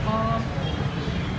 perasaannya untuk berapa